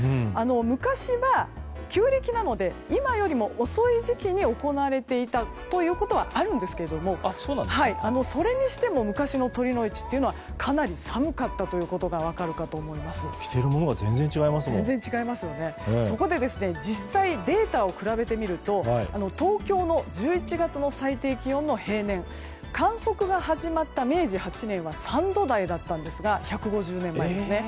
昔は旧暦なので今よりも遅い時期に行われていたことはあるんですがそれにしても昔の酉の市というのはかなり寒かったということが着ているものがそこで実際にデータを比べてみると東京の１１月の最低気温は平年観測が始まった明治８年は３度台だったんですが１５０年前ですね。